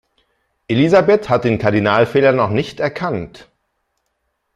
Elisabeth hat den Kardinalfehler noch nicht erkannt.